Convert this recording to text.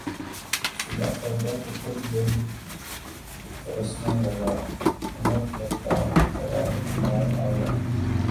صبح فردا کو پھر دل ترسنے لگا عمر رفتہ ترا اعتبار آ گیا